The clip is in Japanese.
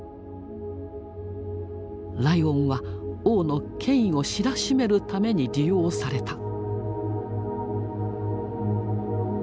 ライオンは王の権威を知らしめるために利用された。